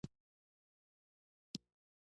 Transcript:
کویلیو د انسان د داخلي خلا احساس درک کړ.